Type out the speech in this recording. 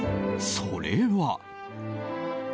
それは。